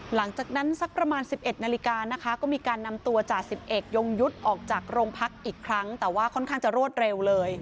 หลังจากนั้นสักประมาณ๑๑นาฬิกานะคะก็มีการนำตัวจ่าสิบเอกยงยุทธ์ออกจากโรงพักอีกครั้งแต่ว่าค่อนข้างจะรวดเร็วเลย